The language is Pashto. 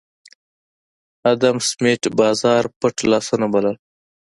ادم سمېت بازار پټ لاسونه بلل